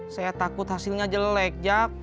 saya takut hasilnya jelek